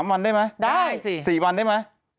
วันได้ไหมได้สิ๔วันได้ไหม